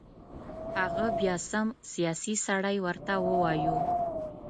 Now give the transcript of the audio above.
هغه بیا سم سیاسي سړی ورته ووایو.